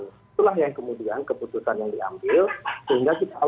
itulah yang kemudian keputusan yang diambil